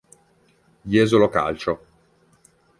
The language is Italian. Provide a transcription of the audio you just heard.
Jesolo Calcio